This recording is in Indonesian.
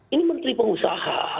ini menteri pengusaha